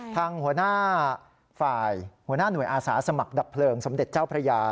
ทางหัวหน้าฝ่ายหัวหน้าหน่วยอาสาสมัครดับเพลิงสมเด็จเจ้าพระยา